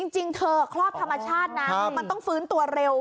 จริงเธอคลอดธรรมชาตินะมันต้องฟื้นตัวเร็ว